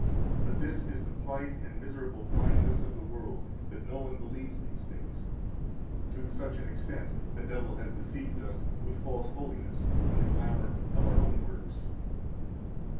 But this is the plight and miserable blindness of the world that no one believes these things; to such an extent the devil has deceived us with false holiness and the glamour of our own works.